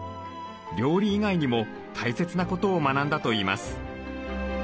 料理以外にも大切なことを学んだといいます。